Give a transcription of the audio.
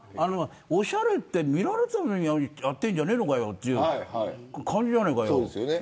おしゃれって見られるためにやっているんじゃねえのかよという感じじゃねえか。